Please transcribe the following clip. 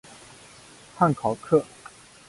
汉考克。